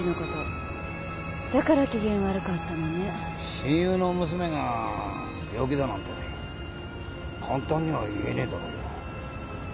親友の娘が病気だなんて簡単には言えねえだろうよ。